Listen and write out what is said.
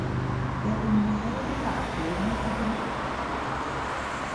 Der in folgender Abbildung verdeutlicht wird.